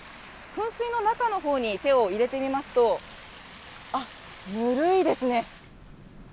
噴水の中のほうに手を入れてみますと、あっ、ぬるいですね。